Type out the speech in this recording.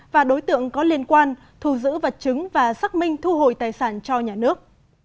và đối tượng có liên quan thu giữ vật chứng và xác minh thu hồi tài sản cho nhà nước